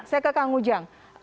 saya ke kang ujang